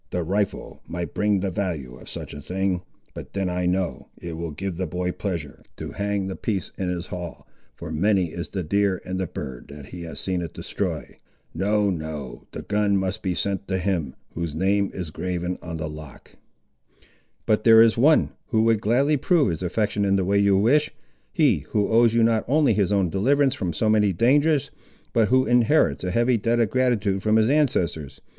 The rifle might bring the value of such a thing—but then I know, it will give the boy pleasure to hang the piece in his hall, for many is the deer and the bird that he has seen it destroy. No, no, the gun must be sent to him, whose name is graven on the lock!" "But there is one, who would gladly prove his affection in the way you wish; he, who owes you not only his own deliverance from so many dangers, but who inherits a heavy debt of gratitude from his ancestors.